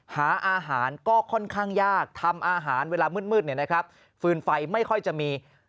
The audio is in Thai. หาอาหารก็ค่อนข้างยากทำอาหารเวลามืดฟืนไฟไม่ค่อยจะมี